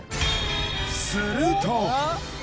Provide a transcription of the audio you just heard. すると！